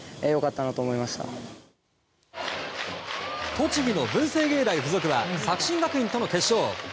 栃木の文星芸大附属は作新学院との決勝。